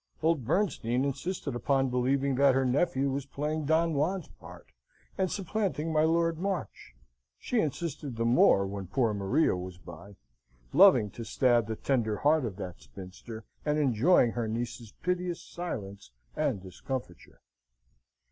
Old Bernstein insisted upon believing that her nephew was playing Don Juan's part, and supplanting my Lord March. She insisted the more when poor Maria was by; loving to stab the tender heart of that spinster, and enjoying her niece's piteous silence and discomfiture.